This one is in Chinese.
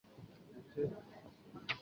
金德贤出生于平安南道。